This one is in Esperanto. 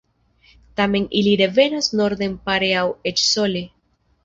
Tamen ili revenas norden pare aŭ eĉ sole.